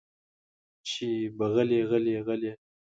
چې به غلې غلې غلې